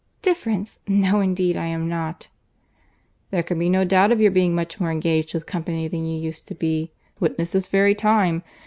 "Difference! No indeed I am not." "There can be no doubt of your being much more engaged with company than you used to be. Witness this very time.